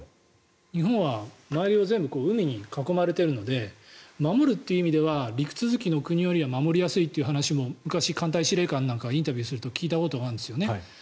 日本は周りを全部海に囲まれているので守るという意味では陸続きの国よりは守りやすいという話も昔、艦隊司令官なんかがインタビューする時聞いたことがあるんですよね。